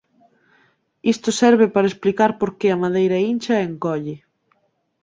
Isto serve para explicar por que a madeira incha e encolle.